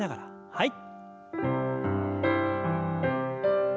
はい。